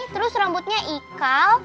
terus rambutnya ikal